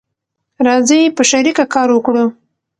راځی په شریکه کار وکړو